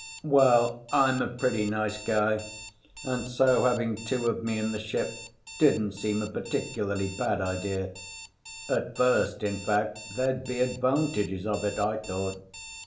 Well, I'm a pretty nice guy and so having two of me in the ship didn't seem a particularly bad idea. At first. In fact there'd be advantages of it, I thought.